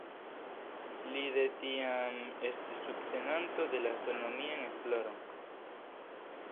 Li de tiam estis subtenanto de la astronomian esploron.